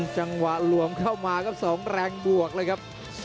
จังหวะหลวมเข้ามาครับ๒แรงบวกเลยครับ